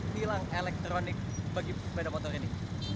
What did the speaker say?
tilang elektronik bagi sepeda motor ini